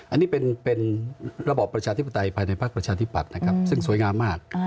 อันนี้เป็นระบอบประชาธิปไตยภายในภักดิ์ประชาธิปัตย์นะครับซึ่งสวยงามมาก